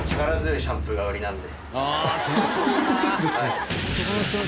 力強いな。